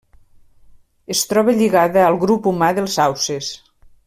Es troba lligada al grup humà dels hausses.